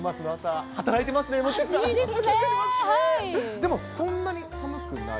でもそんなに、寒くない？